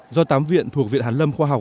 do tám viện thuộc viện hàn lâm khoa học